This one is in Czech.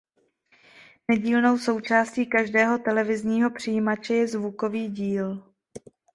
Nedílnou součástí každého televizního přijímače je zvukový díl.